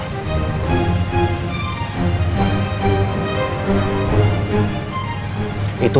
ketika kami berdua